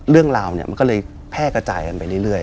เรื่องราวแพร่กระจายไปเรื่อย